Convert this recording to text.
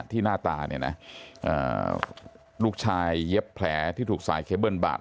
หน้าตาเนี่ยนะลูกชายเย็บแผลที่ถูกสายเคเบิ้ลบาด